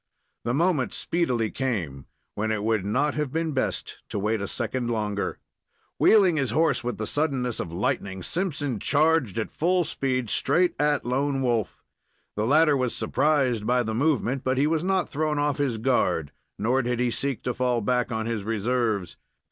The moment speedily came when it would not have been best to wait a second longer. Wheeling his horse with the suddenness of lightning, Simpson charged at full speed straight at Lone Wolf. The latter was surprised by the movement, but he was not thrown off his guard, nor did he seek to fall back on his reserves.